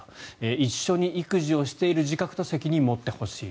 一緒に育児をしている自覚と責任を持ってほしいと。